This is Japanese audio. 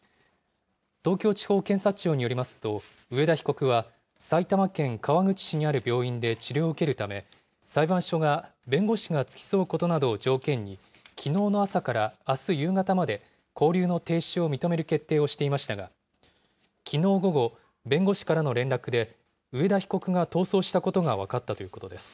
東京地方検察庁によりますと、上田被告は埼玉県川口市にある病院で治療を受けるため、裁判所が、弁護士が付き添うことなどを条件に、きのうの朝からあす夕方まで、勾留の停止を認める決定をしていましたが、きのう午後、弁護士からの連絡で、上田被告が逃走したことが分かったということです。